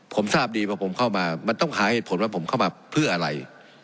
ผมทราบดีว่าผมเข้ามามันต้องหาเหตุผลว่าผมเข้ามาเพื่ออะไร